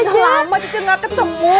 sudah lama cici gak ketukmu